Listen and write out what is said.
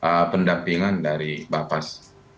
dan juga pendampingan dari bapas